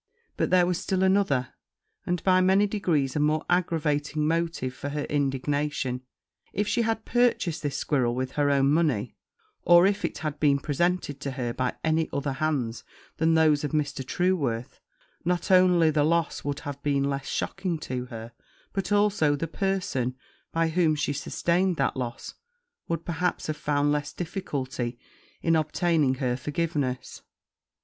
But there was still another, and, by many degrees, a more aggravating motive for her indignation: if she had purchased this squirrel with her own money, or if it had been presented to her by any other hands than those of Mr. Trueworth, not only the loss would have been less shocking to her, but also the person, by whom she sustained that loss, would, perhaps, have found less difficulty in obtaining her forgiveness.